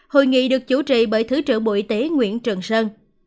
hội nghị được chủ trị bởi thứ trưởng bộ y tế nguyễn trường sơn